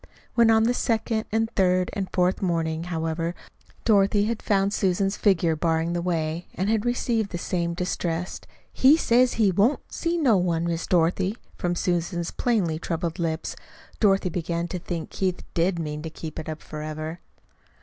When on a second and a third and a fourth morning, however, Dorothy had found Susan's figure barring the way, and had received the same distressed "He says he won't see no one, Miss Dorothy," from Susan's plainly troubled lips, Dorothy began to think Keith did mean to keep it up forever.